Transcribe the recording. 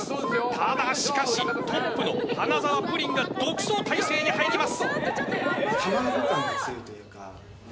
ただしかし、トップの花澤プリンが独走態勢に入ります。